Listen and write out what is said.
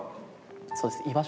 そうです。